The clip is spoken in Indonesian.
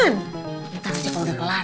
ntar aja kalo udah kelar